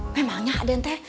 memangnya aden teh